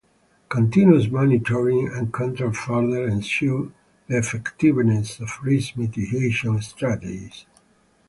Continuous monitoring and control further ensure the effectiveness of risk mitigation strategies.